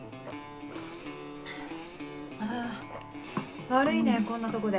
あぁ悪いねこんなとこで。